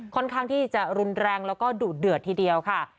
ค่อนข้างที่จะรุนแรงแล้วก็ดุเดือดทีเดียวค่ะ